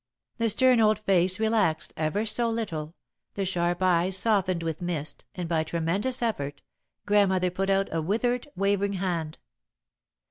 The stern old face relaxed, ever so little, the sharp eyes softened with mist, and by tremendous effort, Grandmother put out a withered, wavering hand.